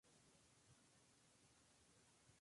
Más tarde se unirían Stacy Guess y Tom Maxwell.